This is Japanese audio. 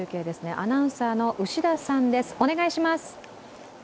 アナウンサーの牛田さん、お願いします。